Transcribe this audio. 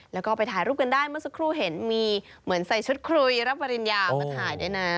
แล้วก็ไปถ่ายรูปกันได้เมื่อสักครู่เห็นมีเหมือนใส่ชุดคุยรับปริญญามาถ่ายด้วยนะ